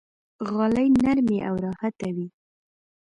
غالۍ نرمې او راحته وي.